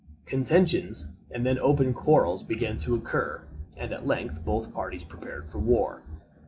Contentions and then open quarrels began to occur, and at length both parties prepared for war.